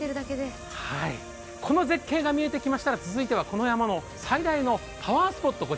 この絶景が見えてきましたら続いてはこの山の最大のパワースポット。